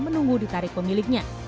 menunggu ditarik pemiliknya